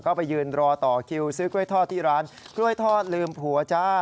ก็ไปยืนรอต่อคิวซื้อกล้วยทอดที่ร้านกล้วยทอดลืมผัวจ้า